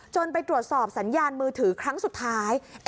ไปตรวจสอบสัญญาณมือถือครั้งสุดท้าย